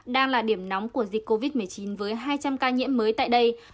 đang là điểm nóng của dịch covid một mươi chín với hai trăm linh ca nhiễm mới tại đây